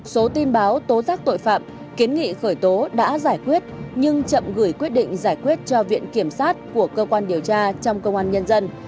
số tin báo tố giác tội phạm kiến nghị khởi tố đã giải quyết nhưng chậm gửi quyết định giải quyết cho viện kiểm sát của cơ quan điều tra trong công an nhân dân